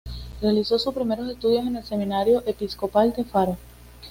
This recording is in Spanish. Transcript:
Realizó sus primeros estudios en el Seminario Episcopal de Faro.